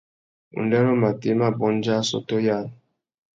Undêrô matê i mà bôndia assôtô yâā.